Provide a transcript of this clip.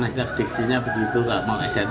dan sedikit sedikitnya begitu nggak mau esen